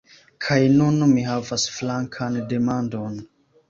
Kaj nun mi havas flankan demandon.